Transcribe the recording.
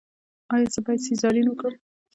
ایا زه باید سیزارین وکړم؟